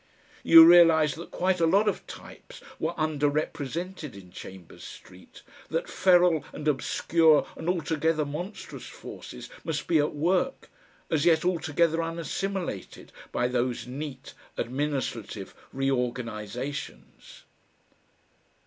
You realised that quite a lot of types were underrepresented in Chambers Street, that feral and obscure and altogether monstrous forces must be at work, as yet altogether unassimilated by those neat administrative reorganisations.